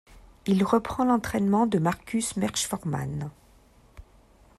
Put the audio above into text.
Il reprend l'entraînement de Markus Merschformann.